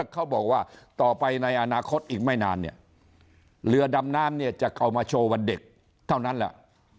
เขาบอกว่าต่อไปในอนาคตอีกไม่นานเนี่ยเรือดำน้ำเนี่ยจะเข้ามาโชว์วันเด็กเท่านั้นแหละ